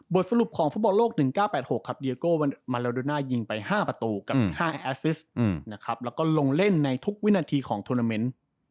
บทสรุปของฟุตบอลโลก๑๙๘๖ครับเดียโกวันมาราโดน่ายิงไป๕ประตูกับ๕แอซิสต์แล้วก็ลงเล่นในทุกวินาทีของทวนาเมน